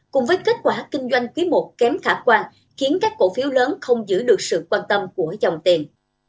cùng với kết quả kinh doanh quý i kém khả quan khiến các cổ phiếu lớn không giữ được sự quan tâm của dòng tiền